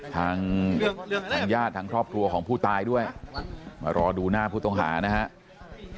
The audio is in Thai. ทางทางญาติทางครอบครัวของผู้ตายด้วยมารอดูหน้าผู้ต้องหานะครับ